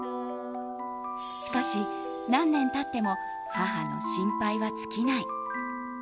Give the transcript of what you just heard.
しかし、何年経っても母の心配は尽きない。